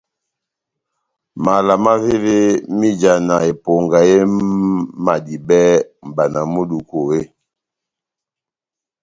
Mala mavéve maji ó ijana eponga emadibɛ mʼbana mú eduku eeeh ?